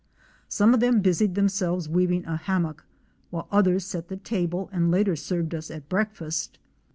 Some of them busied themselves weaving a hammock, while others set the table and later served us at breakfast.